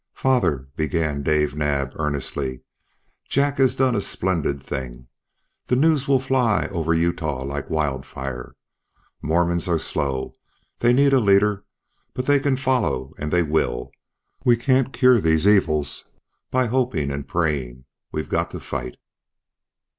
"Father," began Dave Naab earnestly, "Jack has done a splendid thing. The news will fly over Utah like wildfire. Mormons are slow. They need a leader. But they can follow and they will. We can't cure these evils by hoping and praying. We've got to fight!"